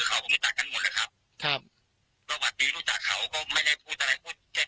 เออครับพี่บัตรดีรู้จักเขาก็ไม่ได้พูดอะไร